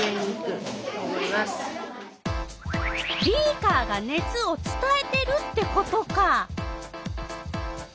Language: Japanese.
ビーカーが熱をつたえてるってことか。